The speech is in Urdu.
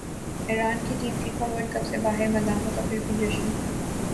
ایران کی ٹیم فیفاورلڈ کپ سے باہرمداحوں کا پھر بھی جشن